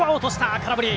空振り。